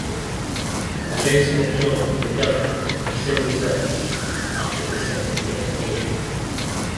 Joseph joined the government civil service after his secondary education.